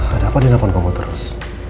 ada apa dia nelfon kamu terus